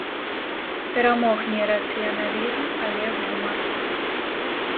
Перамог не рацыяналізм, але гумар.